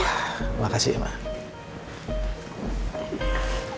wah makasih emang